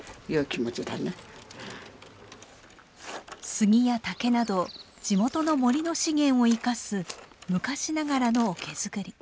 杉や竹など地元の森の資源を生かす昔ながらの桶づくり。